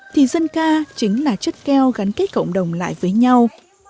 thì dân ca chính là chất keo gắn kết cộng đồng lại với nhau